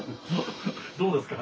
どうですか？